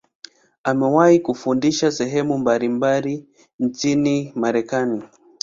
Amewahi kufundisha sehemu mbalimbali nchini Marekani.